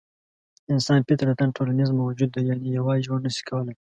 انسان فطرتاً ټولنیز موجود دی؛ یعنې یوازې ژوند نه شي کولای.